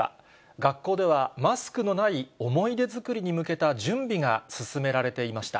学校では、マスクのない思い出作りに向けた準備が進められていました。